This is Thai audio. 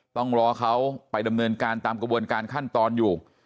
ต้องรอเขาไปดำเนินการตามกระบวนการขั้นตอนอยู่